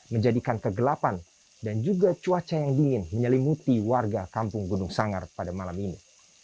menjadikan kegelapan dan juga cuaca yang dingin menyelimuti warga kampung gunung sangar pada malam ini